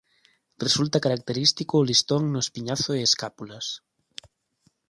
Resulta característico o listón no espiñazo e escápulas.